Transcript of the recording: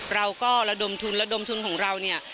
เราก็ระดมทุนระดมทุนของเราเนี่ย